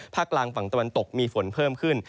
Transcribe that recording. กลางฝั่งตะวันตกมีฝนเพิ่มขึ้น